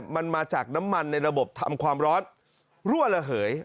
มันมาจากน้ำมันในระบบทำความร้อนรั่วระเหย